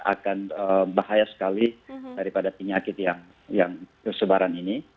akan bahaya sekali daripada penyakit yang tersebaran ini